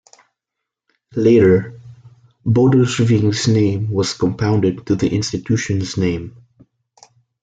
Later Bodelschwingh's name was compounded to the institution's name.